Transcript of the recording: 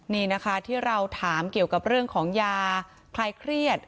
นี่นะคะที่เราถามเกี่ยวกับเรื่องของยาคลายเครียด